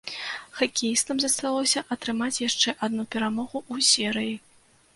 Хакеістам засталося атрымаць яшчэ адну перамогу ў серыі.